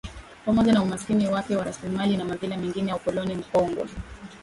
Pamoja na umasikini wake wa rasilimali na madhila mengine ya ukoloni mkongwe